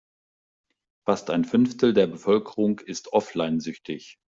Fast ein Fünftel der Bevölkerung ist offline-süchtig.